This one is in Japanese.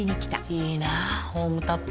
いいなホームタップ。